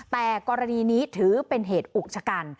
แต่กรณีนี้ถือเป็นเหตุอุกชะกัน